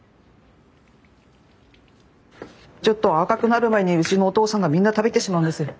ちょっと赤くなる前にうちのおとうさんがみんな食べてしまうんです。